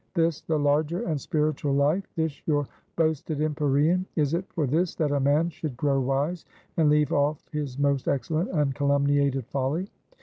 This the larger, and spiritual life? This your boasted empyrean? Is it for this that a man should grow wise, and leave off his most excellent and calumniated folly?"